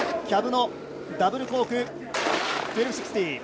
キャブのダブルコーク１２６０。